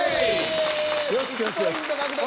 １ポイント獲得。